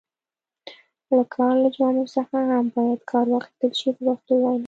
د کار له جامو څخه هم باید کار واخیستل شي په پښتو وینا.